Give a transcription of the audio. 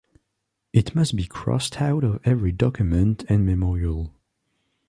It must be crossed out of every document and memorial.